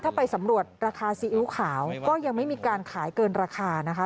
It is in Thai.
ถ้าไปสำรวจราคาซีอิ๊วขาวก็ยังไม่มีการขายเกินราคานะคะ